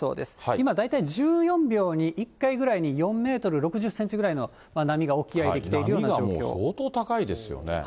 今、大体１４秒に１回ぐらいに４メートル６０センチぐらいの波が沖合波がもう相当高いですよね。